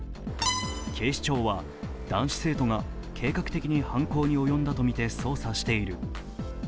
警視庁は、男子生徒が計画的に犯行に及んだとみて捜査している。